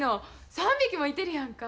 ３匹もいてるやんか。